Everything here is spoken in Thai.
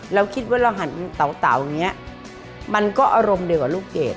เราคิดว่าเราหันเต๋าอย่างนี้มันก็อารมณ์เดียวกับลูกเกด